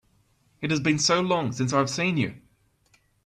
It has been so long since I have seen you!